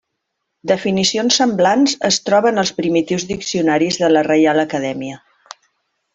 Definicions semblants es troben als primitius diccionaris de la Reial Acadèmia.